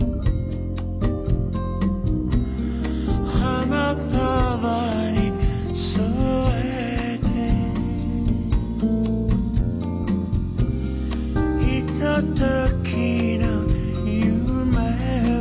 「花束に添えて」「ひとときの夢を」